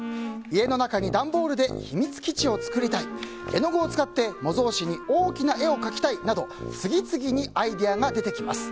家の中に段ボールで秘密基地を作りたい絵の具を使って模造紙に大きな絵を描きたいなど次々にアイデアが出てきます。